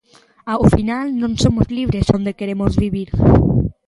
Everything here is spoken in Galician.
Ao final non somos libres onde queremos vivir.